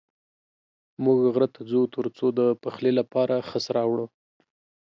موږ غره ته ځو تر څو د پخلي لپاره خس راوړو.